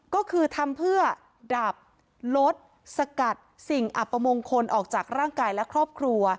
ก็คือทำเพื่อดับลดสกัดสิ่งอัปมงคลออกจากร่างกายและครอบครัว